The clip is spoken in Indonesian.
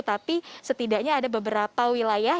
tapi setidaknya ada beberapa wilayah